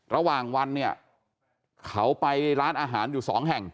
ระหว่างวันเนี่ยเขาไปร้านอาหารอยู่สองแห่ง